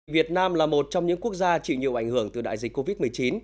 việt nam là một trong những quốc gia chịu nhiều ảnh hưởng từ đại dịch covid một mươi chín